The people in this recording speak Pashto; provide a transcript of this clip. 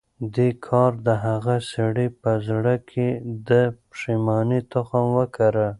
دې کار د هغه سړي په زړه کې د پښېمانۍ تخم وکره.